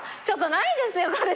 ちょっとないですよ。